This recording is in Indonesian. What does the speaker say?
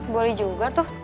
boleh juga tuh